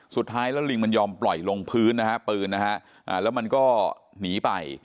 สุดท้ายแล้วลิงมันยอมปล่อยลงพื้นนะฮะปืนนะฮะแล้วมันก็หนีไป